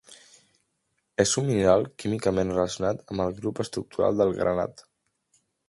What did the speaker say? És un mineral químicament relacionat amb el grup estructural del granat.